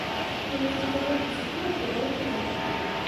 Я яшчэ забягу сюды, як падаю каровы.